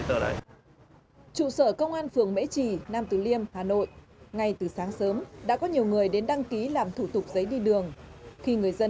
trụ sở công an phường mễ trì nam tử liêm hà nội ngay từ sáng sớm đã có nhiều người đến đăng ký làm thủ tục giấy đi đường